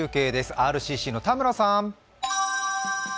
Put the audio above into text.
ＲＣＣの田村さん。